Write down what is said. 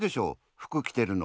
服きてるの。